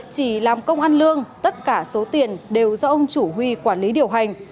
chỉ làm công ăn lương tất cả số tiền đều do ông chủ huy quản lý điều hành